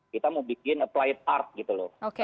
kita mau bikin apply art gitu loh